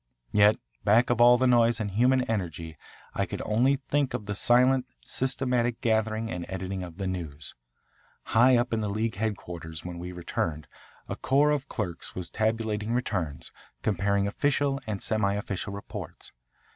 Yet back of all the noise and human energy I could only think of the silent, systematic gathering and editing of the news. High up in the League headquarters, when we returned, a corps of clerks was tabulating returns, comparing official and semi official reports.